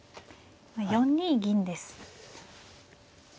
今４二銀です。